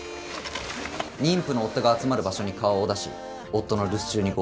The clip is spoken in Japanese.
妊婦の夫が集まる場所に顔を出し夫の留守中に強盗を行う。